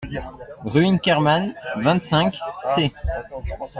rue Inkermann, vingt-cinq, c.